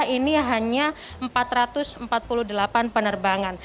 ini hanya empat ratus empat puluh delapan penerbangan